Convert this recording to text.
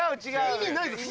意味ないんですよ。